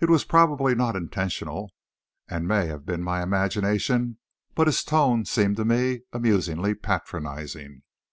It was probably not intentional, and may have been my imagination, but his tone seemed to me amusingly patronizing.